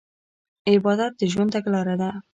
عبادت د ژوند تګلاره ده.